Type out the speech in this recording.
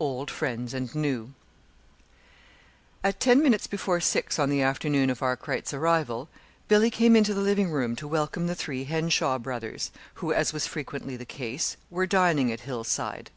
OLD FRIENDS AND NEW At ten minutes before six on the afternoon of Arkwright's arrival, Billy came into the living room to welcome the three Henshaw brothers, who, as was frequently the case, were dining at Hillside.